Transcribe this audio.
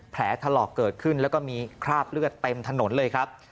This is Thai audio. แผลถลอกเกิดขึ้นแล้วก็มีคราบเลือดเต็มถนนเลยครับ